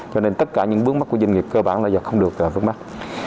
cho nên tất cả những bước mắt của doanh nghiệp cơ bản là giờ không được bước mắt